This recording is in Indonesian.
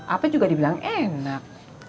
apa juga dibilang enak